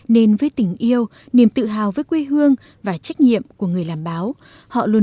nên với tình yêu niềm tự hào với quê hương và trách nhiệm của người làm báo